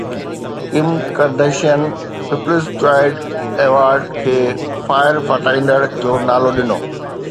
Kim Kardashian people's choice award کي فائر فائائيندڙن جو نالو ڏنو